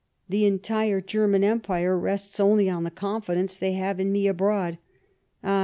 The entire German Empire rests only on the confidence they have in me abroad. Ah